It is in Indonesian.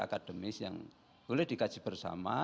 akademis yang boleh dikaji bersama